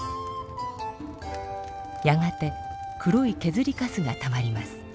やがて黒いけずりカスがたまります。